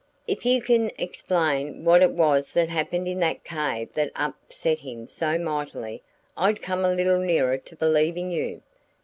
"If you can explain what it was that happened in that cave that upset him so mightily, I'd come a little nearer to believing you."